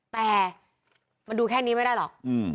แต่มันดูแค่นี้ไม่ได้หรอก